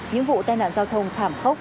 những vụ tai nạn giao thông thảm khốc